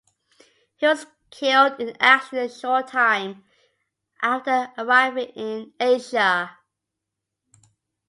He was killed in action a short time after arriving in Asia.